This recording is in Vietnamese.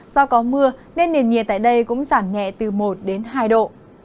do có mưa nên nền nhiệt tại đây cũng giảm nhẹ từ một đến hai độ